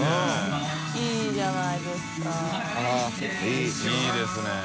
いいですね。